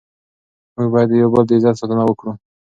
موږ باید د یو بل د عزت ساتنه وکړو.